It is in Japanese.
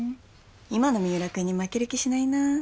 今の三浦君に負ける気しないな。